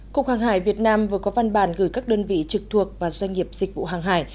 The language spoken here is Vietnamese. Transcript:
cục hàng hải việt nam vừa có văn bản gửi các đơn vị trực thuộc và doanh nghiệp dịch vụ hàng hải